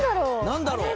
何だろう？